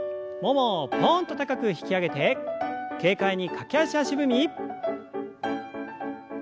ももをぽんと高く引き上げて軽快に駆け足足踏み。